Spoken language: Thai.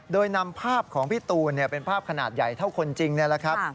โดยนำภาพของพี่ตูนเป็นภาพขนาดใหญ่เท่าคนจริงนี่แหละครับ